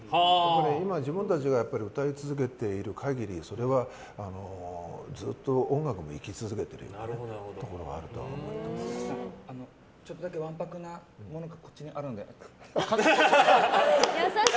今、自分たちが歌い続けている限りそれはずっと音楽も生き続けているところがあるとちょっとだけわんぱくなお口に。